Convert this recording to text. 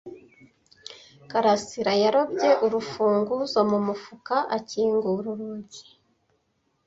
Karasirayarobye urufunguzo mu mufuka akingura urugi.